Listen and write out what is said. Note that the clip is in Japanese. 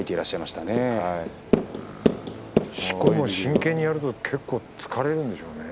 しこも真剣にやると結構、疲れるんでしょうね。